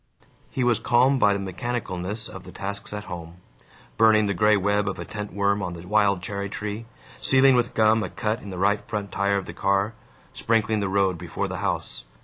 He was calmed by the mechanicalness of the tasks at home: burning the gray web of a tent worm on the wild cherry tree, sealing with gum a cut in the right front tire of the car, sprinkling the road before the house.